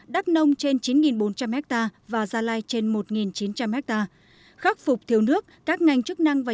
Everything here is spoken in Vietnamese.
đắk nông trên chín bốn trăm linh ha và gia lai trên một chín trăm linh ha khắc phục thiếu nước các ngành chức năng và